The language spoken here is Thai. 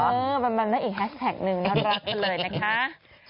เออมันได้อีกแฮชแท็กหนึ่งน่ารักกันเลยนะคะ